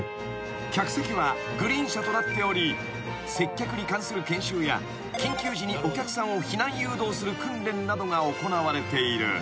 ［客席はグリーン車となっており接客に関する研修や緊急時にお客さんを避難誘導する訓練などが行われている］